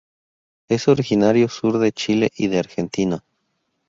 Es originario sur de Chile y de Argentina.